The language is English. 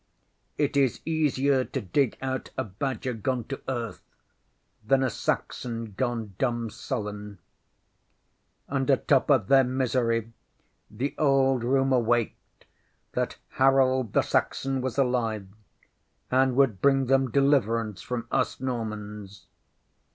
It is easier to dig out a badger gone to earth than a Saxon gone dumb sullen. And atop of their misery the old rumour waked that Harold the Saxon was alive and would bring them deliverance from us Normans.